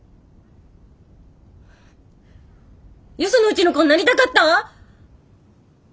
よそのうちの子になりたかった！？